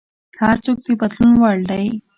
هر څوک د بدلون وړ دی.